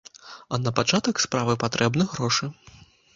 А на пачатак справы патрэбны грошы.